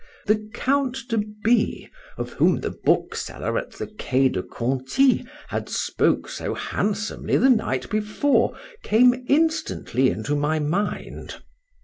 —The Count de B—, of whom the bookseller at the Quai de Conti had spoke so handsomely the night before, came instantly into my mind.